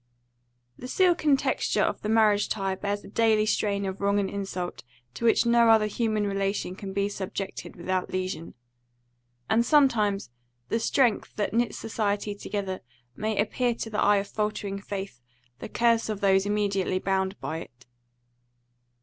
IV. THE silken texture of the marriage tie bears a daily strain of wrong and insult to which no other human relation can be subjected without lesion; and sometimes the strength that knits society together might appear to the eye of faltering faith the curse of those immediately bound by it.